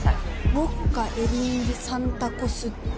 「ウォッカ」「エリンギ」「サンタコス」って。